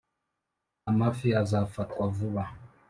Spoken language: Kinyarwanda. amafi azafatwa vuba,